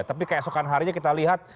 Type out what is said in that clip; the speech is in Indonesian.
tapi keesokan harinya kita lihat